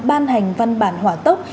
ban hành văn bản hỏa tốc